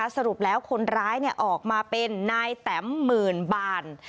สรุปแล้วคนร้ายออกมาเป็นนายแตมหมื่นบาน